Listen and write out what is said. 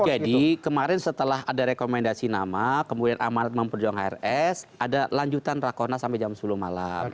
jadi kemarin setelah ada rekomendasi nama kemudian amalat memperjuang hrs ada lanjutan rakona sampai jam sepuluh malam